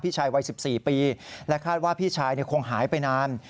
ชายวัย๑๔ปีและคาดว่าพี่ชายคงหายไปนาน